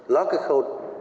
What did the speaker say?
lót cái khâu